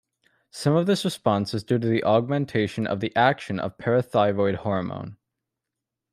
Some of this response is due to augmentation of the action of parathyroid hormone.